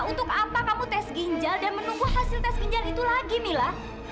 untuk apa kamu tes ginjal dan menunggu hasil tes ginjal itu lagi mila